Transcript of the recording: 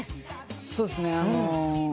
そうですね。